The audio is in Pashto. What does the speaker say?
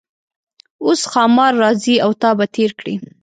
اوس ښامار راځي او تا به تیر کړي.